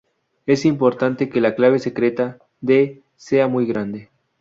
Es importante que la clave secreta "d" sea muy grande.